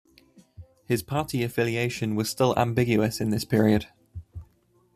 His party affiliation was still ambiguous in this period.